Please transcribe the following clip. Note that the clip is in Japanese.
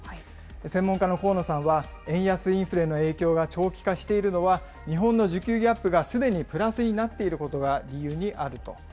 専門家の河野さんは、円安インフレの影響が長期化しているのは、日本の需給ギャップがすでにプラスになっていることが理由にあると。